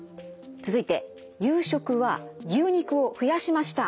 続いて夕食は牛肉を増やしました。